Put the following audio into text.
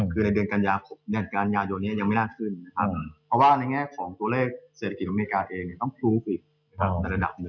คือในเดือนกันยายนนี้ยังไม่น่าขึ้นนะครับเพราะว่าในแง่ของตัวเลขเศรษฐกิจของอเมริกาเองต้องพลูฟอีกในระดับหนึ่ง